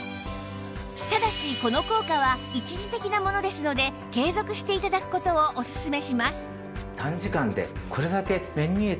ただしこの効果は一時的なものですので継続して頂く事をおすすめします